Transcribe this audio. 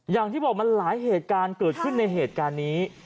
อย่างที่บอกมันหลายเหตุการณ์เกิดขึ้นในเหตุการณ์นี้